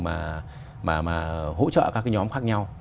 mà hỗ trợ các nhóm khác nhau